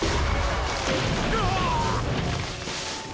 うわっ！